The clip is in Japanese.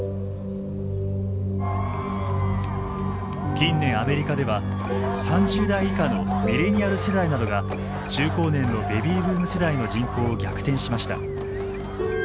近年アメリカでは３０代以下のミレニアル世代などが中高年のベビーブーム世代の人口を逆転しました。